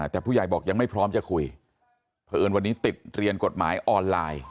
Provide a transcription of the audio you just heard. แต่ผู้ใหญ่บอกยังไม่พร้อมจะคุยเพราะเอิญวันนี้ติดเรียนกฎหมายออนไลน์